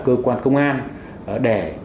cơ quan công an để